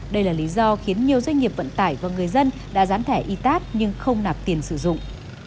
đây là lý do khiến nhiều doanh nghiệp vận tải và người dân đã rán thẻ itat nhưng không nạp tiền sử dụng